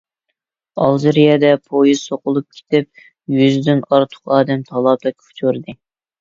ئالجىرىيەدە پويىز سوقۇلۇپ كېتىپ، يۈزدىن ئارتۇق ئادەم تالاپەتكە ئۇچرىدى.